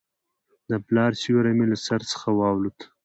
د پلار سیوری مې له سر څخه والوت.